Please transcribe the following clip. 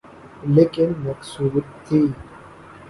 لیکن مقصود تھی۔